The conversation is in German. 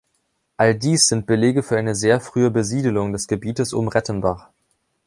All dies sind Belege für eine sehr frühe Besiedelung des Gebietes um Rettenbach.